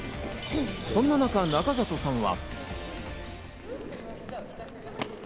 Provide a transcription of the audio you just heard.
そんな中、中里さんは。